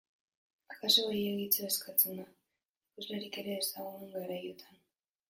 Akaso gehiegitxo eskatzea da, ikuslerik ere ez dagoen garaiotan.